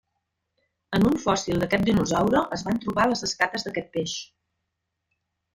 En un fòssil d'aquest dinosaure es van trobar les escates d'aquest peix.